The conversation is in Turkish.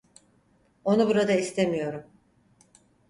Onu burada istemiyorum.